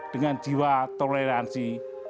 dengan jiwa toleransi